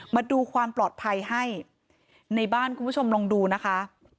มาดูความปลอดภัยให้ในบ้านคุณผู้ชมลองดูนะคะ